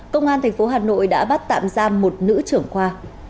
công an thành phố hà nội đã bắt tạm giam một nữ trưởng khoa